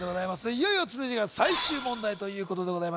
いよいよ続いてが最終問題ということでございます